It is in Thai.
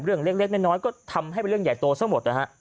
เรื่องเล็กน้อยก็ทำให้เป็นเรื่องใหญ่โตซะหมดนะฮะ